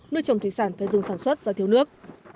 nuôi trồng thủy sản phải dừng sản xuất do thiếu nước